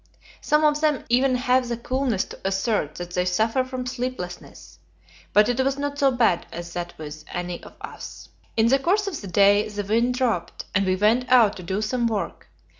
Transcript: Some of them even have the coolness to assert that they suffer from sleeplessness, but it was not so bad as that with any of us. In the course of the day the wind dropped, and we went out to do some work.